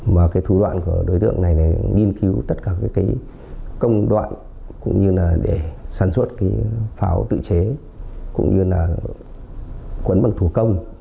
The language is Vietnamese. và cái thủ đoạn của đối tượng này là nghiên cứu tất cả các cái công đoạn cũng như là để sản xuất cái pháo tự chế cũng như là quấn bằng thủ công